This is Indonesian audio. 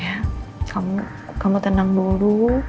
ya kamu tenang dulu